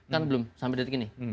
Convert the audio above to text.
kan belum sampai detik ini